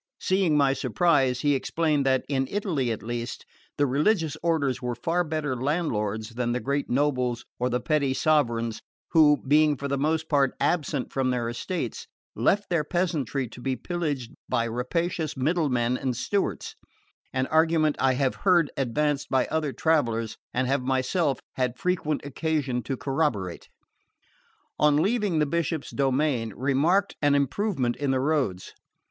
Seeing my surprise, he explained that, in Italy at least, the religious orders were far better landlords than the great nobles or the petty sovereigns, who, being for the most part absent from their estates, left their peasantry to be pillaged by rapacious middlemen and stewards: an argument I have heard advanced by other travellers, and have myself had frequent occasion to corroborate. On leaving the Bishop's domain, remarked an improvement in the roads.